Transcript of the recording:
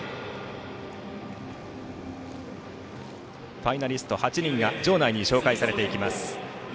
ファイナリスト８人が紹介されていきます。